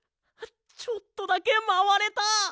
ちょっとだけまわれた！